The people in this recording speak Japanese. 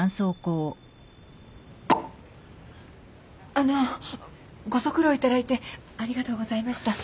あのご足労いただいてありがとうございました。